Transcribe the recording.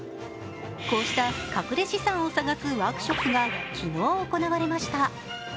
こうしたかくれ資産を探すワークショップが昨日行われました。